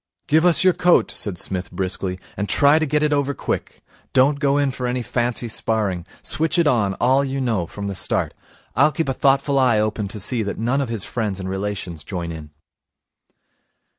'Give us your coat,' said Psmith briskly, 'and try and get it over quick. Don't go in for any fancy sparring. Switch it on, all you know, from the start. I'll keep a thoughtful eye open to see that none of his friends and relations join in.'